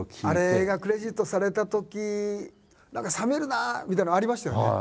あれがクレジットされたとき何か冷めるなあみたいなのありましたよね？